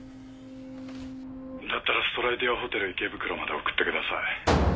だったらストライティアホテル池袋まで送ってください。